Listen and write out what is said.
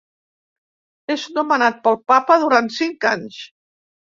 És nomenat pel Papa durant cinc anys.